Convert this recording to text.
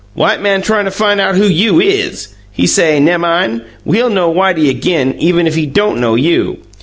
White man tryin' to fine out who you IS. He say, nemmine, he'll know Whitey ag'in, even if he don' know you!